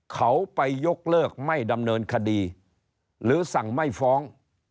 เขาไปยกเลิกไม่ดำเนินคดีหรือสั่งไม่ฟ้อง